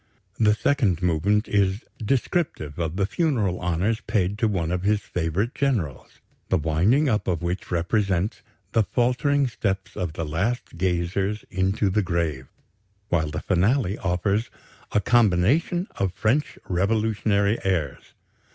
The second movement is "descriptive of the funeral honors paid to one of his favorite generals," the "winding up" of which represents "the faltering steps of the last gazers into the grave"; while the finale offers "a combination of French revolutionary airs"!